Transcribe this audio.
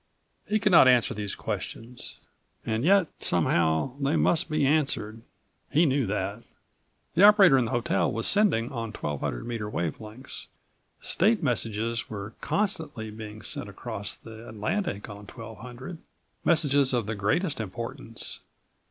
He could not answer these questions. And yet somehow they must be answered. He knew that. The operator in the hotel was sending on 1200 meter wave lengths. State messages were constantly being sent across the Atlantic on 1200; messages of the greatest importance.